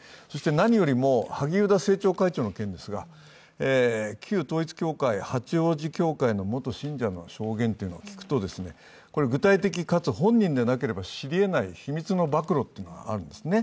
何よりも、萩生田政調会長の件ですが、旧統一教会、八王子教会の元信者の証言を聞くと、これは具体的かつ本人でなければ知り得ない秘密の暴露というのがあるんですね。